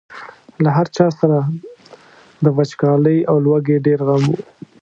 له هر چا سره د وچکالۍ او لوږې ډېر غم و.